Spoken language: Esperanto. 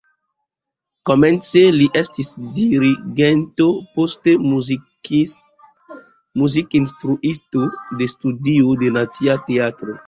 Komence li estis dirigento, poste muzikinstruisto de studio de Nacia Teatro.